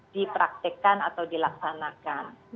dipraktekkan atau dilaksanakan